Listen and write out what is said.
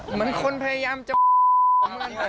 เหมือนคนพยายามจะ